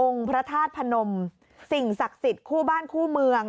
พระธาตุพนมสิ่งศักดิ์สิทธิ์คู่บ้านคู่เมือง